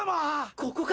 ここか？